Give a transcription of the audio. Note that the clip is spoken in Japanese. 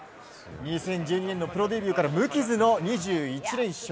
２０１２年のプロデビューから無傷の２１連勝。